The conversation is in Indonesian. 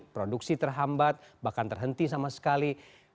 produksi terhambat bahkan terhenti sama sekali